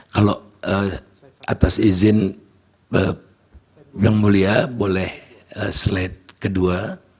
kalau atas izin yang mulia boleh slide kedua